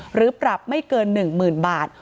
หรือปรับไม่เกิน๑หมื่นบาท